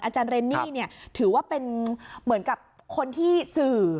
เรนนี่ถือว่าเป็นเหมือนกับคนที่สื่อ